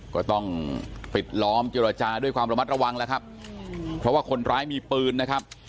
ก็ต้องปิดล้อมเจรจาด้วยความระมัดระวังแล้วครับเพราะว่าคนร้ายมีปืนนะครับ